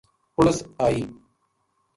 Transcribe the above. پُلس آئی